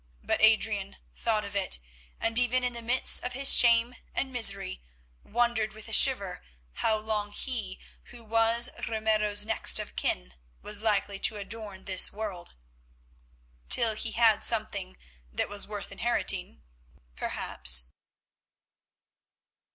But Adrian thought of it, and even in the midst of his shame and misery wondered with a shiver how long he who was Ramiro's next of kin was likely to adorn this world. Till he had something that was worth inheriting, perhaps.